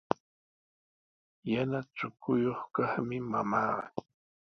Yana chukuyuq kaqmi mamaaqa.